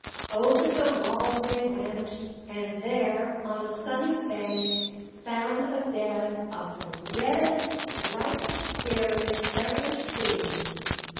Over the wall they went, and there, on a sunny bank, found a bed of the reddest, ripest berries ever seen.